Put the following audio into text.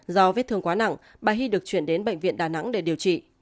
do vết thương quá nặng bà hy được chuyển đến bệnh viện đà nẵng để điều trị